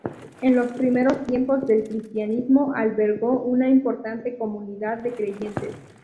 En los primeros tiempos del cristianismo, albergó una importante comunidad de creyentes.